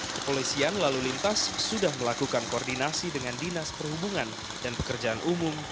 kepolisian lalu lintas sudah melakukan koordinasi dengan dinas perhubungan dan pekerjaan umum